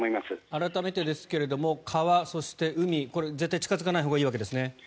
改めてですが川、そして海絶対に近付かないほうがいいわけですね。